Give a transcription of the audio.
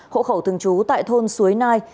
hộ khẩu thường trú tại thôn suối nai